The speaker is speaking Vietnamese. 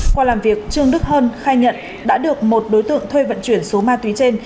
qua làm việc trương đức hơn khai nhận đã được một đối tượng thuê vận chuyển số ma túy trên